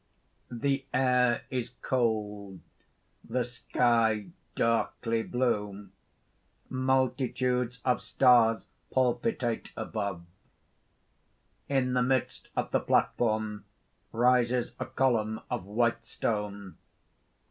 The air is cold; the sky darkly blue; multitudes of stars palpitate above._ _In the midst of the platform rises a column of white stone.